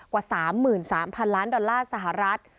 กว่า๓๓๐๐๐ล้านดอลลาร์สหรัฐ